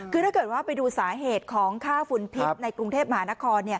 คือถ้าเกิดว่าไปดูสาเหตุของค่าฝุ่นพิษในกรุงเทพมหานคร